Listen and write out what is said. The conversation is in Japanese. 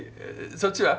そっちは？